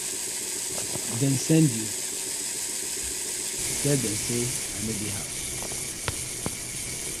Dem send you? tell dem say I no dey house.